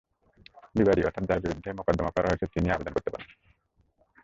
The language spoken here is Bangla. বিবাদী অর্থাৎ যাঁর বিরুদ্ধে মোকদ্দমা করা হয়েছে, তিনিও আবেদন করতে পারেন।